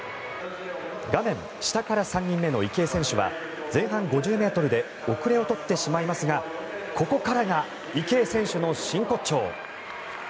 画面下から３人目の池江選手は前半５０ｍで後れを取ってしまいますがここからが池江選手の真骨頂。